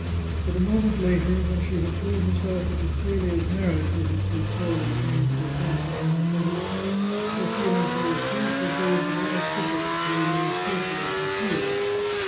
But a moment later, when she had told herself it was Clelia's marriage that had so sorely changed this handsome young fellow, her feelings were as fierce as those of the archbishop, though more skilfully concealed.